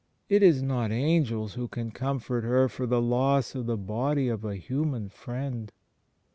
It is not angels who can comfort her for the loss of the body of a human Friend.